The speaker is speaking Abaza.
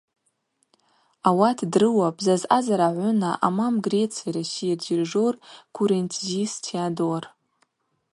Ауат дрыуапӏ зазъазара гӏвына амам Греции России рдирижер Курентзис Теодор.